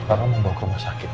papa mau bawa ke rumah sakit